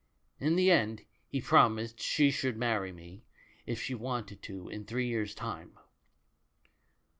In the end he promised she should marry me if she wanted to in three years' time.